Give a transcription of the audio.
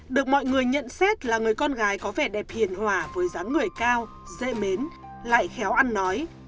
được mọi người nhận xét là người con gái có vẻ đẹp hiền hòa với giá người cao dễ mến lại khéo ăn nói